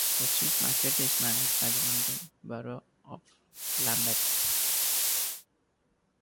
The Street Market is managed by the London Borough of Lambeth.